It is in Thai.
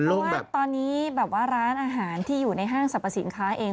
เพราะว่าตอนนี้แบบว่าร้านอาหารที่อยู่ในห้างสรรพสินค้าเอง